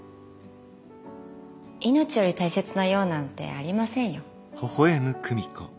命より大切な用なんてありませんよ。